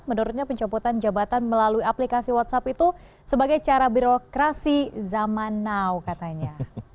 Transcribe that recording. menurutnya pencopotan jabatan melalui aplikasi whatsapp itu sebagai cara birokrasi zaman now katanya